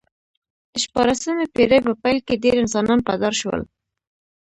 د شپاړسمې پېړۍ په پیل کې ډېر انسانان په دار شول